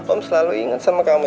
om selalu ingat sama kamu